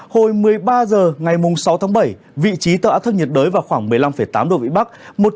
hồi một mươi ba h ngày sáu tháng bảy vị trí tâm áp thấp nhiệt đới vào khoảng một mươi năm tám độ vĩ bắc